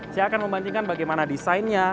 saya akan membandingkan bagaimana desainnya